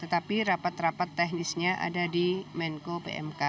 tetapi rapat rapat teknisnya ada di menko pmk